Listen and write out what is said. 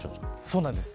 そうなんです。